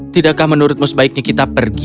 tidakkah menurutmu sebaiknya kita pergi